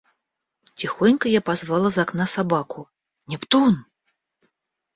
Тихонько я позвал из окна собаку: Нептун!